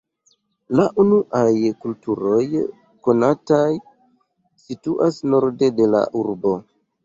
La unuaj kulturoj konataj situas norde de la urbo.